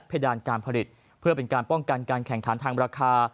ดานการผลิตเพื่อเป็นการป้องกันการแข่งขันทางราคา